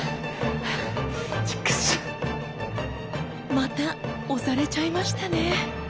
また押されちゃいましたね。